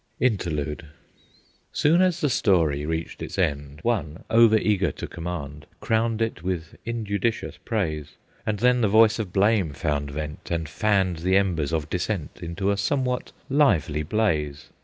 INTERLUDE. Soon as the story reached its end, One, over eager to commend, Crowned it with injudicious praise; And then the voice of blame found vent, And fanned the embers of dissent Into a somewhat lively blaze.